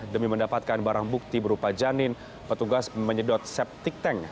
demi mendapatkan barang bukti berupa janin petugas menyedot septic tank